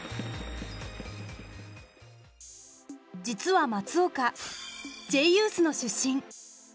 実は松岡Ｊユースの出身。